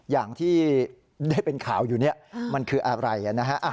อย่างที่ได้เป็นข่าวอยู่เนี่ยมันคืออะไรนะฮะ